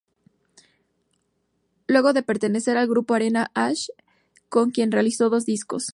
Luego de pertenecer al grupo Arena Hash, con quien realizó dos discos.